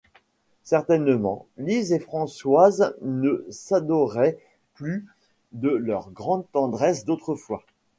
Certainement, Lise et Françoise ne s’adoraient plus de leur grande tendresse d’autrefois.